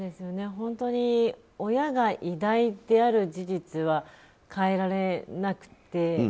本当に、親が偉大である事実は変えられなくて。